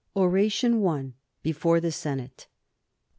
ORATION I. BEFORE THE SENATE.